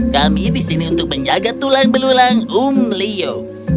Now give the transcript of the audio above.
kami di sini untuk menjaga tulang belulang um leu